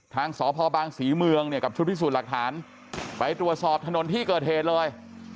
ทางสภศรีเมืองกับชุดที่สูญหลักฐานไปตรวจสอบถนนที่เกิดเหตุเลย